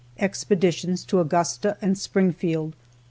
EXPEDITIONS TO AUGUSTA AND SPRINGFIELD.